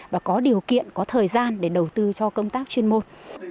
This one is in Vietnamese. và có điều kiện có thời gian để đầu tư cho công tác chuyên môn